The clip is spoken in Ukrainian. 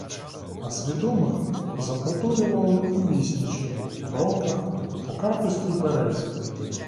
А свідомих запроторювали у Віснічі, Вронках та Картузькій Березі.